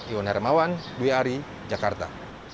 iwan hermawan dwi ari jakarta